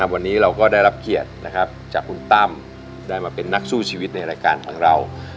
วันนี้เราก็ได้รับเกียรติจากคุณตั้มได้มาเป็นนักสู้ชีวิตในรายการของเรา